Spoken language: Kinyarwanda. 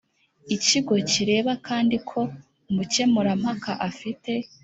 Ikigo kireba kandi ko umukemurampaka afite